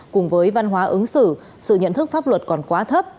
cùng với văn hóa ứng xử sự nhận thức pháp luật còn quá thấp